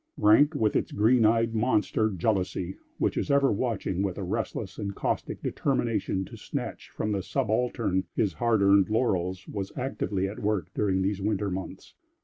Rank, with its green eyed monster, jealousy, which is ever watching with a restless and caustic determination to snatch from the subaltern his hard earned laurels, was actively at work during these winter months.